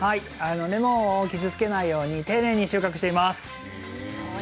レモンを傷つけないように丁寧に収穫しています。